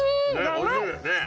美味しいですね！